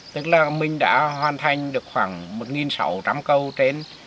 tức là mình đã hoàn thành được khoảng một sáu trăm linh cầu trên hai một trăm bảy mươi bốn